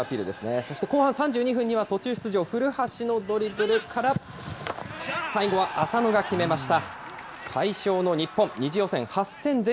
そして後半３２分には、途中出場、古橋のドリブルから、最後は浅野が決めました。